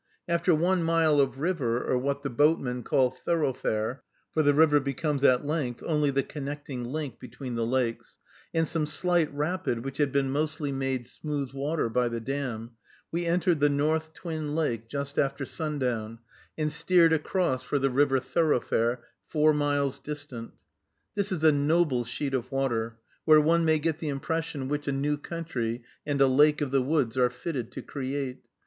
After one mile of river, or what the boatmen call "thoroughfare," for the river becomes at length only the connecting link between the lakes, and some slight rapid which had been mostly made smooth water by the dam, we entered the North Twin Lake just after sundown, and steered across for the river "thoroughfare," four miles distant. This is a noble sheet of water, where one may get the impression which a new country and a "lake of the woods" are fitted to create.